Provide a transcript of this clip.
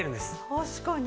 確かに。